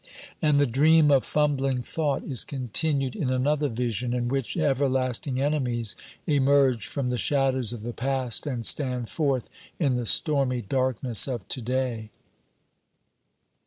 And the dream of fumbling thought is continued in another vision, in which everlasting enemies emerge from the shadows of the past and stand forth in the stormy darkness of to day.